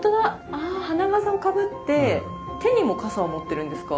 あ花笠をかぶって手にも笠を持ってるんですか？